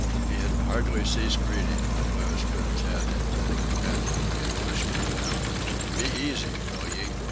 He had hardly ceased reading when Louis put his head into the companion way and whispered down: "Be easy, will ye?